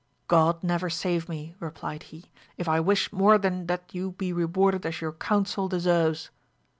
God never save me, replied he, if I wish more than that you be rewarded as your counsel deserves.